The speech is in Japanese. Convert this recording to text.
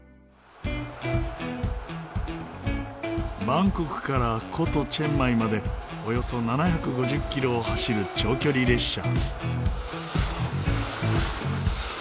バンコクから古都チェンマイまでおよそ７５０キロを走る長距離列車。